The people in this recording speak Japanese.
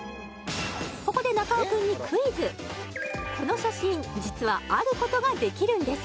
ここでこの写真実は「あること」ができるんです